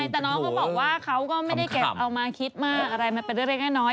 แต่น้องเขาบอกว่าเขาก็ไม่ได้เก็บเอามาคิดมากอะไรมันเป็นเล็กน้อย